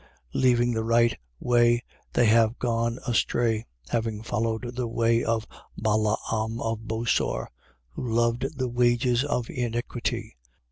2:15. Leaving the right way, they have gone astray, having followed the way of Balaam of Bosor who loved the wages of iniquity, 2:16.